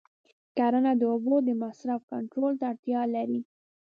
کرنه د اوبو د مصرف کنټرول ته اړتیا لري.